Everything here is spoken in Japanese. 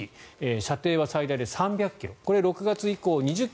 射程は最大で３００ｋｍこれ、６月以降２０機